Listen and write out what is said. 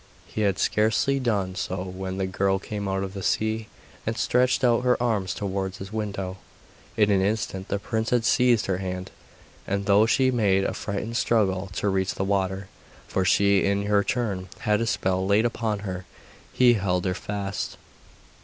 He had scarcely done so when the girl came out of the sea, and stretched out her arms towards his window. In an instant the prince had seized her hand, and though she made a frightened struggle to reach the water for she in her turn had had a spell laid upon her he held her fast.